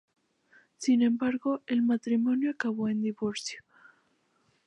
Sin embargo, el matrimonio acabó en divorcio.